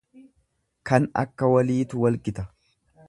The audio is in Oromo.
Kan akka waliitu wal gita.